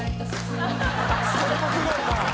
「これもすごいな」